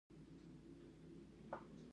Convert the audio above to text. غرونه د ځمکې لوړ ځایونه دي.